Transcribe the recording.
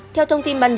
theo thông tin ban đầu